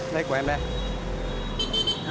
lấy của em đây